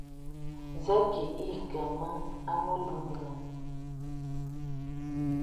Zə kì ìkɛ̂ mə a mèlù mìnə̀.